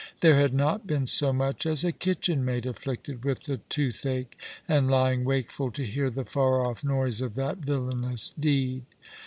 There had not been so much as a kitchen maid afflicted with the tooth ache, and lying wakeful, to hear the far off noise of that villainous deed.